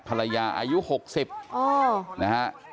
ภรรยาอายุหกสิบนะฮะ